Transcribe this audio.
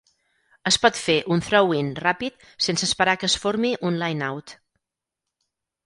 Es pot fer un "throw-in" ràpid sense esperar que es formi un "line-out".